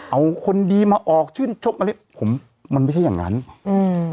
เอาคนดีมาออกชื่นชมอะไรผมมันไม่ใช่อย่างงั้นอืม